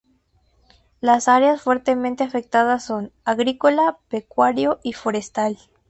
Las áreas fuertemente afectadas son: agrícola, pecuario y forestal.